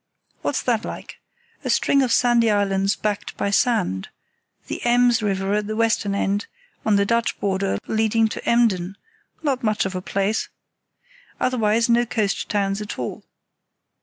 What's that like? A string of sandy islands backed by sand; the Ems river at the western end, on the Dutch border, leading to Emden—not much of a place. Otherwise, no coast towns at all.